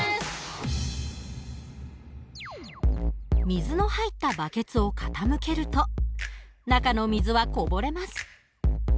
水の入ったバケツを傾けると中の水はこぼれます。